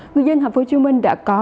người dân hà phú chí minh đã có